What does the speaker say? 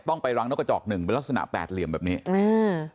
ต้องไปรังนกกระจอกหนึ่งเป็นลักษณะแปดเหลี่ยมแบบนี้อืม